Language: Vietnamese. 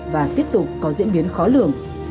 và tiếp tục có diễn biến khó lường